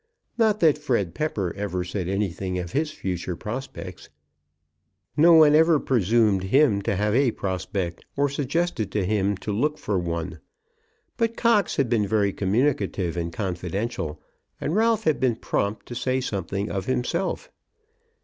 Not that Fred Pepper said anything of his future prospects. No one ever presumed him to have a prospect, or suggested to him to look for one. But Cox had been very communicative and confidential, and Ralph had been prompted to say something of himself.